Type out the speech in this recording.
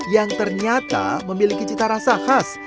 yang ternyata memiliki cita rasa khas